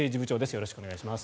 よろしくお願いします。